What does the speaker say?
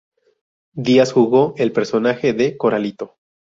Díaz jugó el personaje de Coralito.